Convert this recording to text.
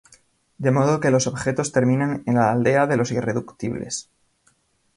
De modo que los objetos terminan en la aldea de los irreductibles.